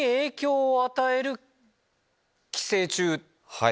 はい。